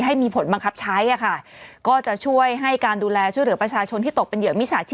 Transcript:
ให้มีผลบังคับใช้อะค่ะก็จะช่วยให้การดูแลช่วยเหลือประชาชนที่ตกเป็นเหยื่อมิจฉาชีพ